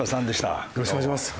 よろしくお願いします。